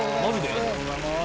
「ありがとうございます」